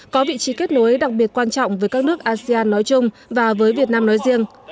có vị trí kết nối đặc biệt quan trọng với các nước asean nói chung và với việt nam nói riêng